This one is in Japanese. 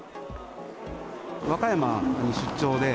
和歌山に出張で。